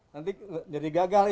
nanti jadi gagal ini